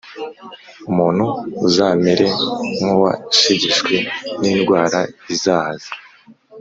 umuntu azamere nk’uwashegeshwe n’indwara izahaza.